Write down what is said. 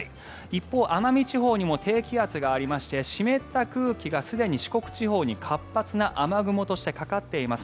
一方、奄美地方にも低気圧がありまして湿った空気が、すでに四国地方に活発な雨雲としてかかっています。